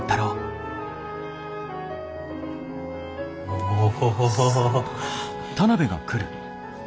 おお。